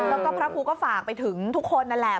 แล้วก็พระครูก็ฝากไปถึงทุกคนนั่นแหละ